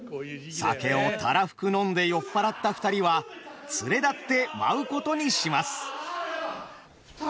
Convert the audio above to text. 酒をたらふく飲んで酔っ払った二人は連れ立って舞うことにします。